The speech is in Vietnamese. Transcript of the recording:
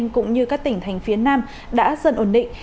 cũng như các tỉnh thành phía nam đã dần ổn định